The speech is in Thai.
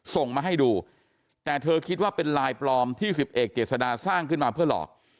ส่งมาให้ดูแต่เธอคิดว่าเป็นไลน์ปลอมที่สิบเอกเจษดาสร้างขึ้นมาเพื่อหลอก